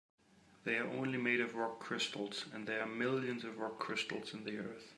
They're only made of rock crystal, and there are millions of rock crystals in the earth.